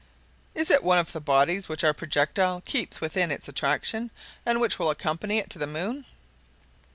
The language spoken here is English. "Is it one of the bodies which our projectile keeps within its attraction, and which will accompany it to the moon?"